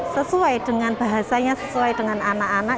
sesuai dengan bahasanya sesuai dengan anak anak